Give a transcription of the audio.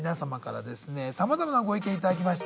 さまざまなご意見頂きました。